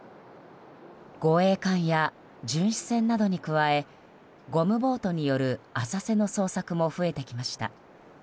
護衛艦や巡視船などに加えゴムボートによる浅瀬の捜索も増えてきました。